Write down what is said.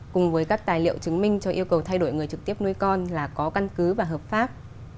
cùng với các tài liệu chứng minh cho yêu cầu thay đổi người trực tiếp nuôi con là có căn cứ và hợp pháp